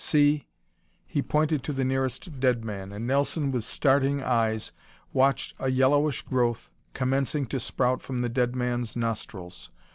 See " He pointed to the nearest dead man and Nelson, with starting eyes, watched a yellowish growth commencing to sprout from the dead man's nostrils.